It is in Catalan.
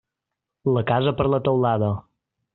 La casa per la teulada.